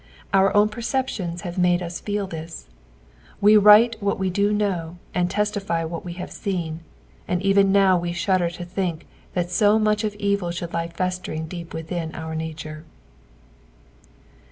Our own perceptiona have made us feel this. We write wliat we do know, and testify what we have seen ; and even now we shudder to think that so much of evil should lie festering deep wittiin our nature.